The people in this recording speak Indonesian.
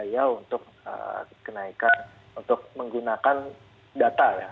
ya untuk kenaikan untuk menggunakan data ya